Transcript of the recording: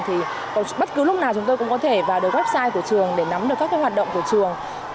thì bất cứ lúc nào chúng tôi cũng có thể vào được website của trường để nắm được các hoạt động của trường